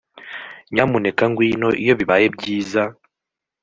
Nyamuneka ngwino iyo bibaye byiza